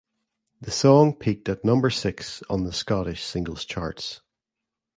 The song peaked at number six on the Scottish Singles Charts.